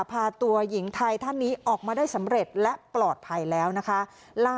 พาตัวหญิงไทยท่านนี้ออกมาได้สำเร็จและปลอดภัยแล้วนะคะ